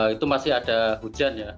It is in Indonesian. itu masih ada hujan ya